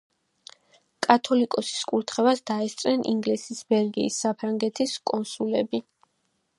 კათოლიკოსის კურთხევას დაესწრნენ ინგლისის, ბელგიის, საფრანგეთის კონსულები.